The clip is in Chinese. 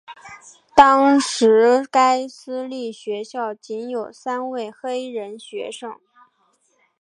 当时该私立学校仅有三位黑人学生。